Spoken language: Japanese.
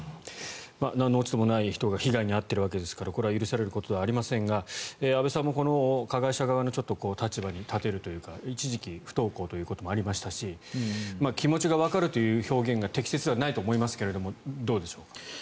何の落ち度もない人が被害に遭っているわけですからこれは許されることではありませんが安部さんも加害者側の立場に立てるというか一時期、不登校ということもありましたし気持ちがわかるという表現は適切ではないと思いますがどうでしょう？